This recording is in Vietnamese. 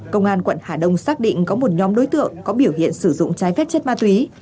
công an quận hà đông xác định có một nhóm đối tượng có biểu hiện sử dụng trái phép chất ma túy